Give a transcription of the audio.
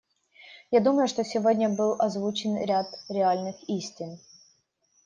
Я думаю, что сегодня был озвучен ряд реальных истин.